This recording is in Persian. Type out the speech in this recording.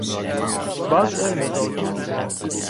وضع مزاجی بیمار